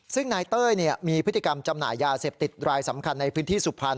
ซึ่งนายเต้ยมีพฤติกรรมจำหน่ายยาเสพติดรายสำคัญในพื้นที่สุพรรณ